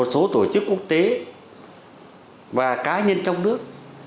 tổ chức quốc tế và cá nhân trong nước